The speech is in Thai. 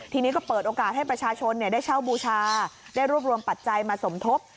ทีนี้ก็เปิดโอกาสให้ประชาชนได้เช่าบูชาได้รวบรวมปัจจัยมาสมทบ